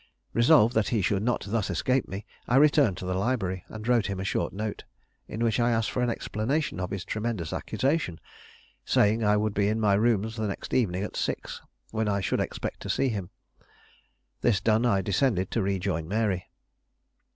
Resolved that he should not thus escape me, I returned to the library, and wrote him a short note, in which I asked for an explanation of his tremendous accusation, saying I would be in my rooms the next evening at six, when I should expect to see him. This done I descended to rejoin Mary.